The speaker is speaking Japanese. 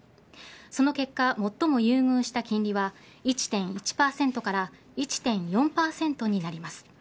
その結果、最も優遇した金利は１．１％から１．４％になります。